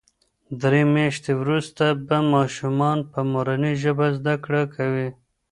درې میاشتې وروسته به ماشومان په مورنۍ ژبه زده کړه کوي.